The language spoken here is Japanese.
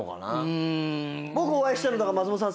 僕お会いしたの松本さん